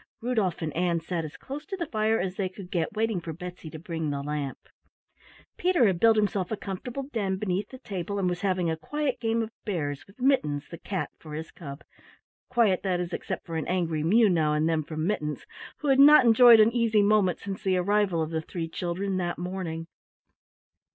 Rudolf and Ann sat as close to the fire as they could get, waiting for Betsy to bring the lamp. Peter had built himself a comfortable den beneath the table and was having a quiet game of Bears with Mittens, the cat, for his cub quiet, that is, except for an angry mew now and then from Mittens, who had not enjoyed an easy moment since the arrival of the three children that morning.